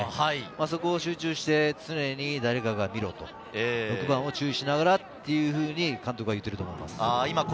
そこを集中して常に誰かが見ろと、６番を注意しながらというふうに監督は言っていると思います。